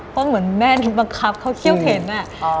เพราะเหมือนแม่ที่บังคับเขาเขี้ยวเข็นอะ